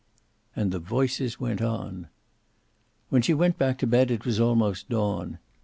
And the voices went on. When she went back to bed it was almost dawn.